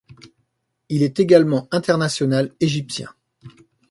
Il est également international égyptien.